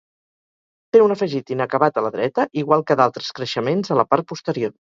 Té un afegit inacabat a la dreta, igual que d'altres creixements a la part posterior.